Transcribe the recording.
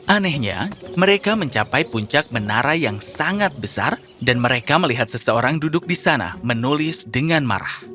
anehnya mereka mencapai puncak menara yang sangat besar dan mereka melihat seseorang duduk di sana menulis dengan marah